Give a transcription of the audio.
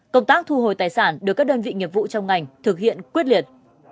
công tác thu hồi tài sản được các đơn vị nghiệp vụ trong ngành thực hiện quyết liệt